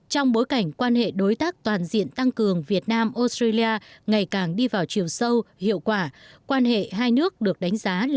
trong bối cảnh quan hệ đối tác toàn diện tăng cường việt nam australia ngày càng đi vào chiều sâu hiệu quả quan hệ hai nước được đánh giá là